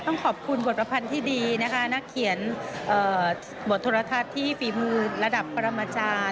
ต้องขอบคุณบทประพันธ์ที่ดีนะคะนักเขียนบทโทรทัศน์ที่ฝีมือระดับปรมาจารย์